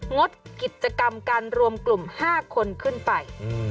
งดกิจกรรมการรวมกลุ่ม๕คนขึ้นไป